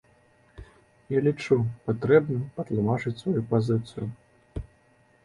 Я лічу патрэбным патлумачыць сваю пазіцыю.